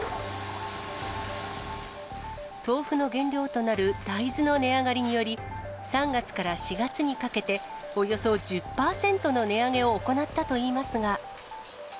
豆腐の原料となる大豆の値上がりにより、３月から４月にかけて、およそ１０％の値上げを行ったといいますが。